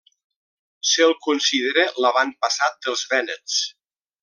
Se'l considera l'avantpassat dels vènets.